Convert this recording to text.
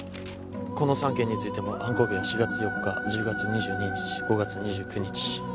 この３件についても犯行日は４月４日１０月２２日５月２９日。